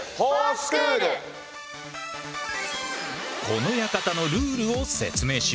この館のルールを説明しよう。